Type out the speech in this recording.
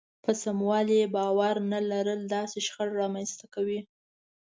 په سموالي يې باور نه لرل داسې شخړه رامنځته کوي.